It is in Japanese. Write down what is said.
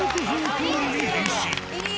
プールに変身。